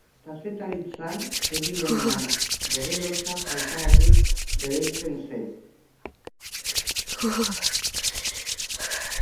Kazetaritzan zebilenean, bere lotsa faltagatik bereizten zen.